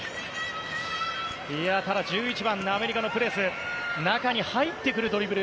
ただ１１番のアメリカのプレス中に入ってくるドリブル。